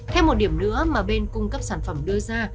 thêm một điểm nữa mà bên cung cấp sản phẩm đưa ra